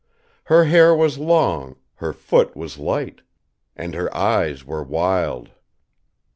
'Her hair was long, her foot was light,' 'And her eyes were wild.'"